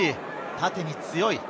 縦に強い。